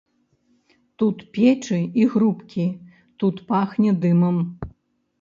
Тут печы і грубкі, тут пахне дымам.